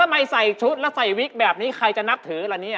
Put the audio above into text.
แล้วใส่วิ๊กแบบนี้ใครจะนับถือแล้วนี่